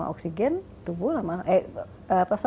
jadi akhirnya karena hemoglobin itu kalah maka dia bisa mengikat oksigen